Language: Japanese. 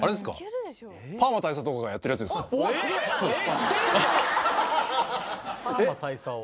そうです